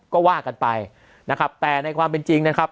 ก็ว่ากันไปนะครับแต่ในความเป็นจริงนะครับ